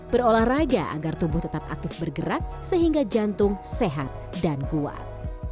berolahraga agar tubuh tetap aktif bergerak sehingga jantung sehat dan kuat